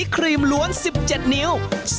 ครีมล้วน๑๗นิ้ว